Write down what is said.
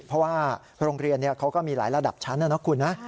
เพราะว่าโรงเรียนเขาก็มีหลายระดับชั้นนะนะคุณนะ